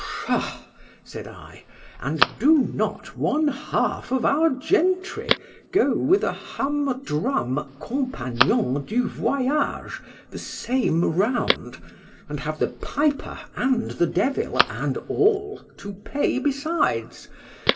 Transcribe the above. —Psha! said I, and do not one half of our gentry go with a humdrum compagnon du voyage the same round, and have the piper and the devil and all to pay besides?